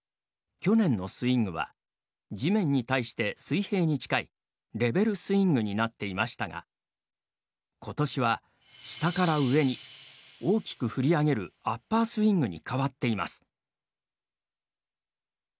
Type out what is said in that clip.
去年のスイングは地面に対して水平に近いレベルスイングになっていましたがことしは下から上に大きく振り上げるアッパースイングに変わっています。